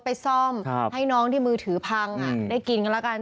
ไปซ่อมให้น้องที่มือถือพังได้กินกันแล้วกัน